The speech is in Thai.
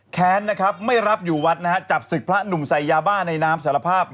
แค้นนะครับไม่รับอยู่วัดนะฮะจับศึกพระหนุ่มใส่ยาบ้าในน้ำสารภาพ